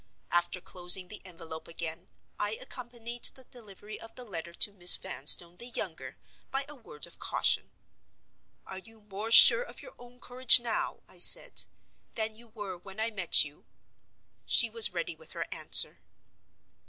After closing the envelope again, I accompanied the delivery of the letter to Miss Vanstone, the younger, by a word of caution. "Are you more sure of your own courage now," I said, "than you were when I met you?" She was ready with her answer.